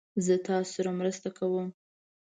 زه تاسو سره مرسته کوم